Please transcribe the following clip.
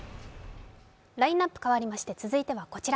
ラインナップ変わりまして続いてはこちら。